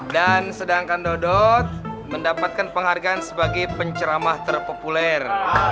dan sedangkan dodot mendapatkan penghargaan sebagai penceramah terpopuler